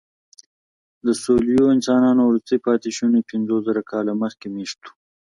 د سولويي انسانانو وروستي پاتېشوني پنځوسزره کاله مخکې مېشته وو.